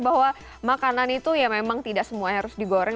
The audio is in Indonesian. bahwa makanan itu ya memang tidak semua harus digoreng